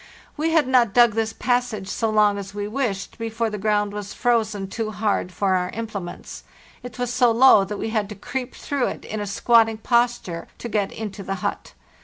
We had not dug this passag long as we wished before the ground was frozen too hard for our implements. It was so low that we had to creep through it in a squatting posture to get into the hut.